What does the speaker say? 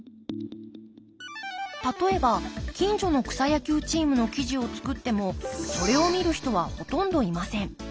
例えば近所の草野球チームの記事を作ってもそれを見る人はほとんどいません。